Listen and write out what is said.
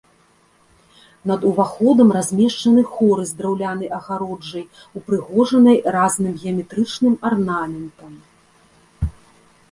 Над уваходам размешчаны хоры з драўлянай агароджай, упрыгожанай разным геаметрычным арнаментам.